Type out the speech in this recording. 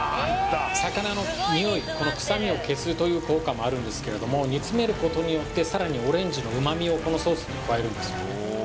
魚のにおい臭みを消すという効果もあるんですけれども煮詰めることによってさらにオレンジの旨味をこのソースに加えるんですよ